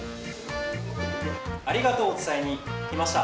ありがとうを伝えに来ました。